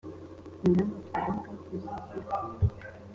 ingamba tugombwa tuzijyeraho